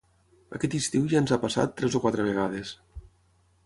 Aquest estiu ja ens ha passat tres o quatre vegades.